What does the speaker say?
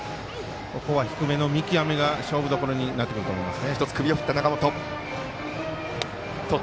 低めの見極めが勝負どころになってくると思います。